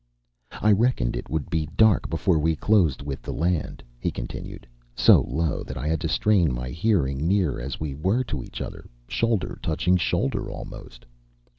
"I reckoned it would be dark before we closed with the land," he continued, so low that I had to strain my hearing near as we were to each other, shoulder touching shoulder almost.